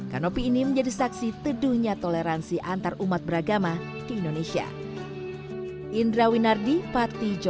kanopi ini menjadi saksi teduhnya toleransi antarumat beragama di indonesia